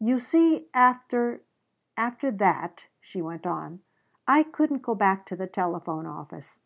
"You see after after that," she went on, "I couldn't go back to the telephone office.